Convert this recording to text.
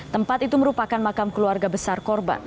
tempat itu merupakan makam keluarga besar korban